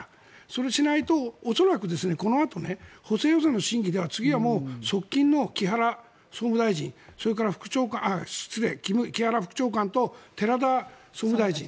それをしないと恐らく、このあと補正予算の審議では次は側近の木原副長官と寺田総務大臣。